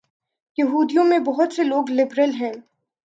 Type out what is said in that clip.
یہودیوں میں بہت سے لوگ لبرل ہیں۔